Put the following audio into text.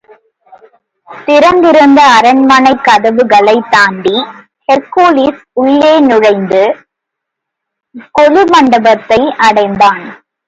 திறந்திருந்த அரண்மனைக் கதவுகளைத் தாண்டி, ஹெர்க்குலிஸ் உள்ளே நுழைந்து, கொலுமண்டபத்தை அடைந்தான்.